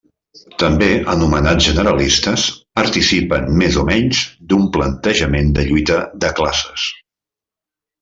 També anomenats generalistes, participen més o menys d'un plantejament de lluita de classes.